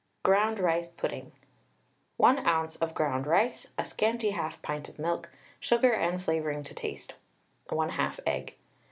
GROUND RICE PUDDING. 1 oz. of ground rice, a scanty 1/2 pint of milk, sugar and flavouring to taste, 1/2 egg.